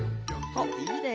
おっいいね。